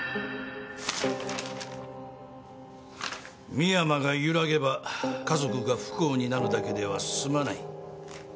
深山が揺らげば家族が不幸になるだけでは済まない。